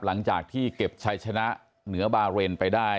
หลังจากที่เก็บชัยชนะเหนือบาเรนไปได้